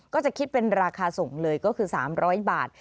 ก็จะคิดเป็นราคาส่งเลยก็คือ๓๐๐บาท